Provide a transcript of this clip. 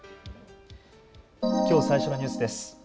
きょう最初のニュースです。